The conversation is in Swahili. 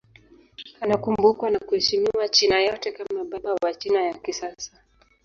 Anakumbukwa na kuheshimiwa China yote kama baba wa China ya kisasa.